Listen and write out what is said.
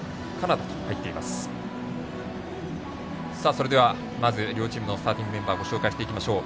それでは、まず両チームのスターティングメンバーご紹介していきましょう。